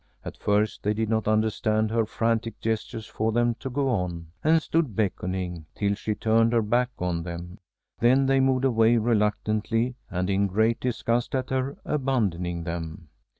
At first they did not understand her frantic gestures for them to go on, and stood beckoning, till she turned her back on them. Then they moved away reluctantly and in great disgust at her abandoning them.